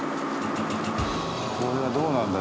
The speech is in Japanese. これはどうなんだ？